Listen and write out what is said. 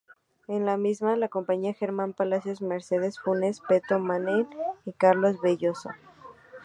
En la misma la acompañan Germán Palacios, Mercedes Funes, Peto Menahem y Carlos Belloso.